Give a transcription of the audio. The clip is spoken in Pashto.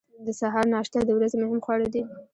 د سهار ناشته د ورځې مهم خواړه دي.